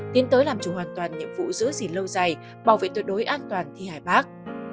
tiến tới làm chủ hoàn toàn nhiệm vụ giữ gìn lâu dài bảo vệ tuyệt đối an toàn thi hài bắc